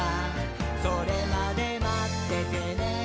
「それまでまっててねー！」